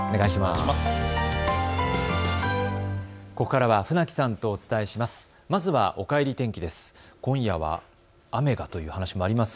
ここからは船木さんとお伝えします。